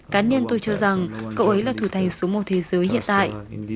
cán nhân tôi cho rằng cậu ấy là thủ thành số một thế giới hiện tại